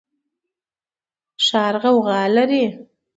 ښار غوغا لري